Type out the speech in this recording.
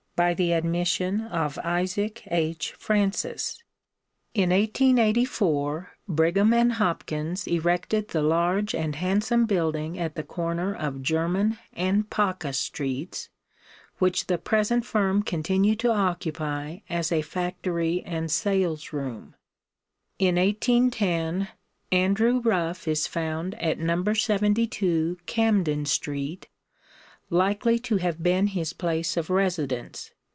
by the admission of Isaac H. Francis. In 1884 Brigham & Hopkins erected the large and handsome building at the corner of German and Paca streets, which the present firm continue to occupy as a factory and salesroom. In 1810 Andrew Ruff is found at No. 72 Camden street, likely to have been his place of residence.